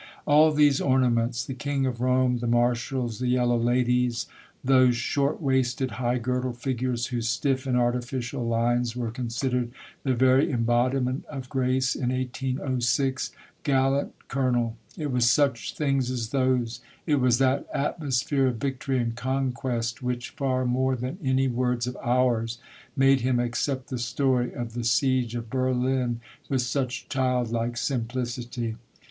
" All these ornaments, the King of Rome, the mar shals, the yellow ladies, those short waisted, high girdled figures whose stiff and artificial lines were considered the very embodiment of grace in 1806 — gallant colonel !— it was such things as those, it was that atmosphere of victory and conquest, which, far more than any words of ours, made him accept the story of the siege of Berlin with such childlike simplicity.